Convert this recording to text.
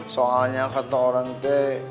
soalnya seperti orang itu